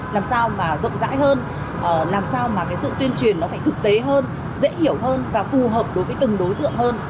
làm sao mà rộng rãi hơn làm sao mà cái sự tuyên truyền nó phải thực tế hơn dễ hiểu hơn và phù hợp đối với từng đối tượng hơn